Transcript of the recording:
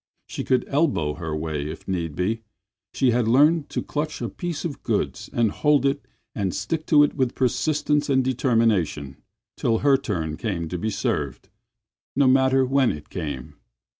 She could elbow her way if need be; she had learned to clutch a piece of goods and hold it and stick to it with persistence and determination till her turn came to be served, no matter when it came.